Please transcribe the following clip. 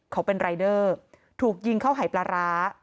เขาเป็นรายเดอร์ถูกยิงเข้าหายปลาร้า